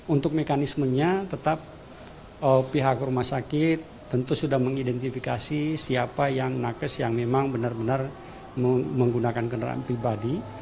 untuk mekanismenya tetap pihak rumah sakit tentu sudah mengidentifikasi siapa yang nakes yang memang benar benar menggunakan kendaraan pribadi